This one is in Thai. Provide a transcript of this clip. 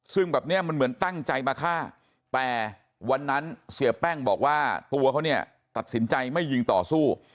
ซึ่งแบบนี้มันเหมือนตั้งใจมาฆ่าแต่วันนั้นเสียแป้งบอกว่าตัวเขาเนี่ยตัดสินใจไม่ยิงต่อสู้